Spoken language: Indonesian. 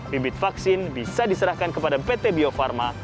bibit vaksin bisa diserahkan kepada pt bio farma